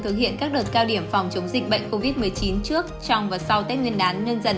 thực hiện các đợt cao điểm phòng chống dịch bệnh covid một mươi chín trước trong và sau tết nguyên đán nhân dân hai nghìn hai mươi hai